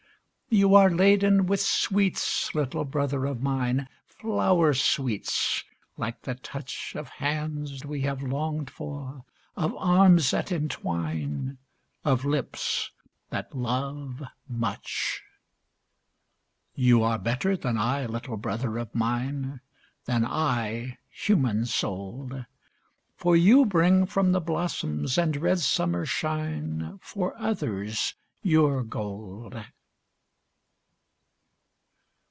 You are laden with sweets, little brother of mine, Flower sweets, like the touch Of hands we have longed for, of arms that entwine, Of lips that love much. You are better than I, little brother of mine, Than I, human souled, For you bring from the blossoms and red summer shine, For others, your gold.